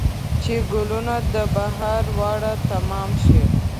چې ګلونه د بهار واړه تمام شي